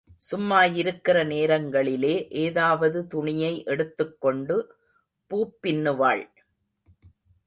சும்மாயிருக்கிற நேரங்களிலே, ஏதாவது துணியை எடுத்துக் கொண்டு பூப்பின்னுவாள்.